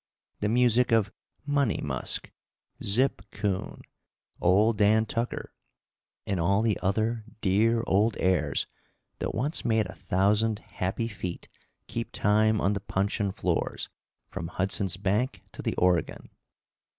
the music of "Money Musk," "Zip Coon," "Ol' Dan Tucker" and all the other dear old airs that once made a thousand happy feet keep time on the puncheon floors from Hudson's bank to the Oregon.